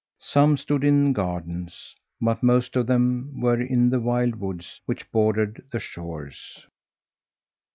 Some stood in gardens, but most of them were in the wild woods which bordered the shores.